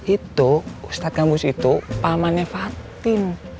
itu ustadz gambus itu pamannya fatin